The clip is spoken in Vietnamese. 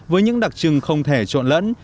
với những đặc trưng không thể trộn lẫn